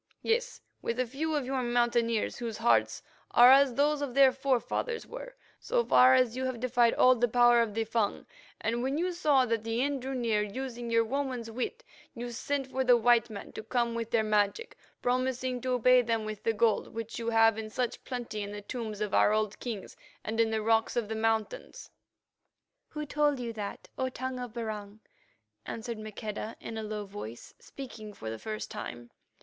Yes, with a few of your Mountaineers whose hearts are as those of their forefathers were, so far as you have defied all the power of the Fung, and when you saw that the end drew near, using your woman's wit, you sent for the white men to come with their magic, promising to pay them with the gold which you have in such plenty in the tombs of our old kings and in the rocks of the mountains." "Who told you that, O Tongue of Barung?" asked Maqueda in a low voice, speaking for the first time.